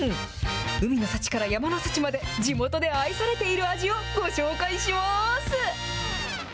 海の幸から山の幸まで、地元で愛されている味をご紹介します。